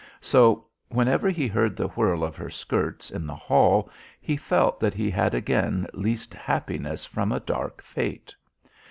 So whenever he heard the whirl of her skirts in the hall he felt that he had again leased happiness from a dark fate.